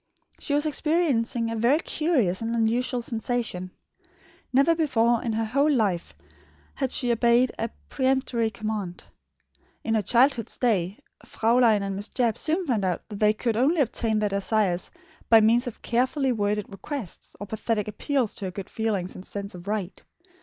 She was experiencing a very curious and unusual sensation. Never before in her whole life had she obeyed a peremptory command. In her childhood's days, Fraulein and Miss Jebb soon found out that they could only obtain their desires by means of carefully worded requests, or pathetic appeals to her good feelings and sense of right.